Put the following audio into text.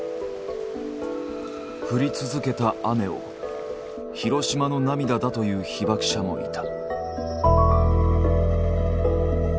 降り続けた雨を「ヒロシマの涙」だと言う被爆者もいた。